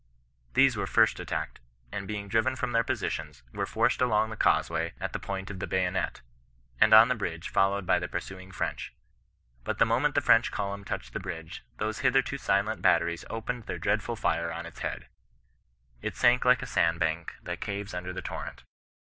These were first attacked, and being driven from their positions, were forced along the causeway at the point of the bayo net, and on the bridge followed by the pursuing French. But the moment the French column touched the bridge, those hitherto silent batteries opened their dreadful fire CHBISTIAS^ HCir KESISTAirGE. 145 on its head. It sank like a sand bank that caves under the torrent.